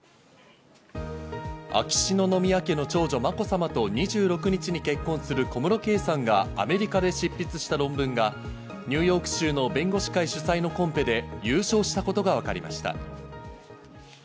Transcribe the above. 秋篠宮家の長女・まこさまと、２６日に結婚する小室圭さんがアメリカで執筆した論文がニューヨーク州の弁護士会主催のコンペで優勝したことがわかりました。